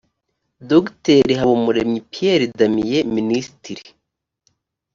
dr habumuremyi pierre damien minisitiri